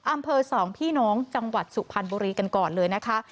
อำเภอสองพี่น้องจังหวัดสุพรรณบุรีกันก่อนเลยนะคะ